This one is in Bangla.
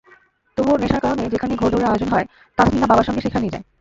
তবু নেশার কারণে যেখানেই ঘোড়দৌড়ের আয়োজন হয়, তাসমিনা বাবার সঙ্গে সেখানেই যায়।